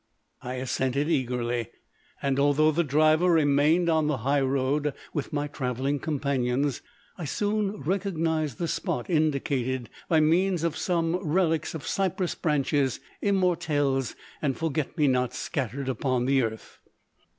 I assented eagerly, and although the driver remained on the highroad with my travelling companions, I soon recognised the spot indicated, by means of some relics of cypress branches, immortelles, and forget me nots scattered upon the earth.